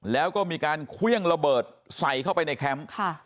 แล้วก็มีการเครื่องระเบิดใส่เข้าไปในแคมป์